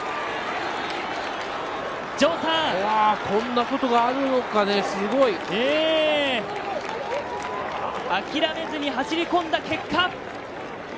こんなことがあるのか、すごい！諦めずに走り込んだ結果。